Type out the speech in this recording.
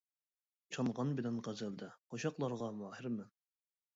چانغان بىلەن غەزەلدە، قوشاقلارغا ماھىر مەن.